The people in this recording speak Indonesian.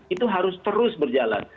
itu harus terus berjalan